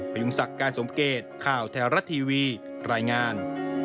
พยุงศักดิ์การสมเกตข่าวแท้รัฐทีวีรายงาน